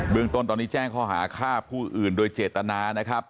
เมืองต้นตอนนี้แจ้งข้อหาฆ่าผู้อื่นโดยเจตนานะครับ